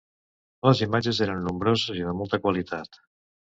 Les imatges eren nombroses i de molta qualitat.